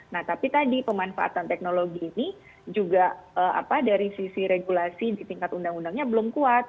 nah tapi tadi pemanfaatan teknologi ini juga dari sisi regulasi di tingkat undang undangnya belum kuat